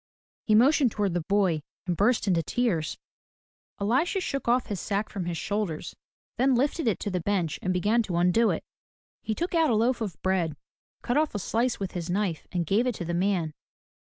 He motioned toward the boy and burst into tears. Elisha shook off his sack from his shoulders, then lifted it 157 MY BOOK HOUSE to the bench and began to undo it. He took out a loaf of bread, cut off a sUce with his knife and gave it to the man.